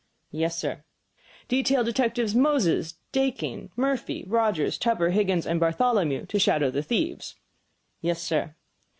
"Yes, sir." "Detail Detectives Moses, Dakin, Murphy, Rogers, Tupper, Higgins, and Bartholomew to shadow the thieves." "Yes, sir."